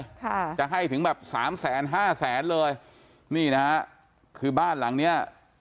ค่ะจะให้ถึงแบบสามแสนห้าแสนเลยนี่นะฮะคือบ้านหลังเนี้ย